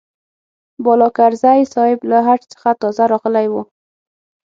بالاکرزی صاحب له حج څخه تازه راغلی و.